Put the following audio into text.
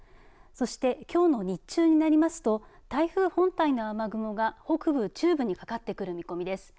そして、きょうの日中になりますと台風本体の雨雲が北部、中部にかかってくる見込みです。